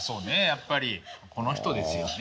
やっぱりこの人ですよね